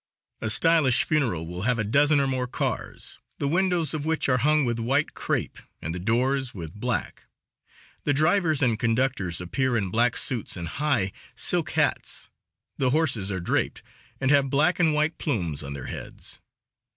A stylish funeral will have a dozen or more cars, the windows of which are hung with white crepe, and the doors with black; the drivers and conductors appear in black suits and high, silk hats; the horses are draped, and have black and white plumes on their heads.